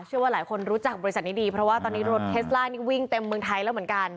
เชื่อว่าหลายคนรู้จักบริษัทนี้ดีเพราะว่าตอนนี้รถเทสล่านี่วิ่งเต็มเมืองไทยแล้วเหมือนกัน